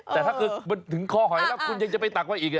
แต่ถ้าเกิดมันถึงคอหอยแล้วคุณยังจะไปตักไว้อีก